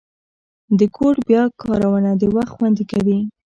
د کوډ بیا کارونه وخت خوندي کوي.